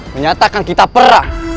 menyatakan kita perang